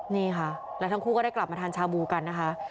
นี่ค่ะแล้วทั้งคู่ก็ได้กลับมาทานชาบูกันนะคะ